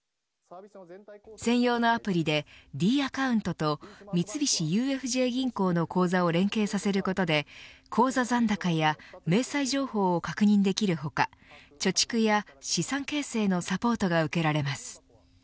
専用のアプリでｄアカウントと三菱ＵＦＪ銀行の口座を連携させることで口座残高や明細情報を確認できる他貯蓄や資産形成のサポートが受けられます。